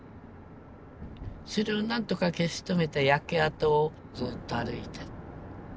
それをなんとか消し止めて焼け跡をずっと歩いて。